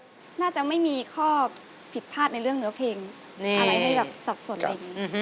น่าจะไม่มีข้อผิดพลาดในเรื่องเนื้อเพลงอะไรให้แบบสับสนอะไรอย่างนี้